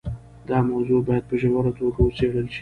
دا موضوع باید په ژوره توګه وڅېړل شي.